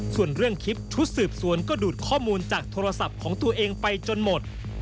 ส่วนเรื่องคลิปชุดสืบสวนก็ดูดข้อมูลจากโทรศัพท์ของตัวเองไปจนหมด